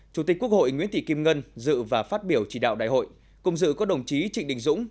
chủ tịch quốc hội nguyễn thị kim ngân dự và phát biểu chỉ đạo đại hội cùng dự có đồng chí trịnh đình dũng